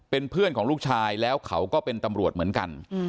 เป็นเพื่อนของลูกชายแล้วเขาก็เป็นตำรวจเหมือนกัน